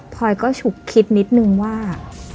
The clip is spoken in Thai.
พอยก็ฉุกคิดนิดนึงว่า